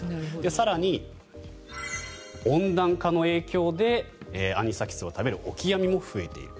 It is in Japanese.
更に、温暖化の影響でアニサキスを食べるオキアミも増えている。